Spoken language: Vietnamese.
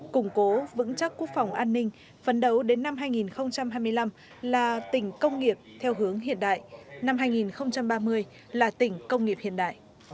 củng cố vững chắc quốc phòng an ninh phấn đấu đến năm hai nghìn hai mươi năm là tỉnh công nghiệp theo hướng hiện đại năm hai nghìn ba mươi là tỉnh công nghiệp hiện đại